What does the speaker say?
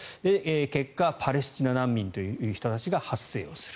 結果、パレスチナ難民という人たちが発生する。